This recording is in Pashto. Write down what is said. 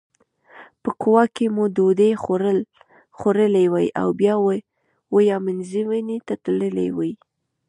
په کووا کې مو ډوډۍ خوړلې وای او بیا ویامنزوني ته تللي وای.